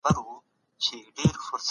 موږ باید یو بل ته د بښنې لاس ورکړو.